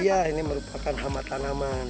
iya ini merupakan hama tanaman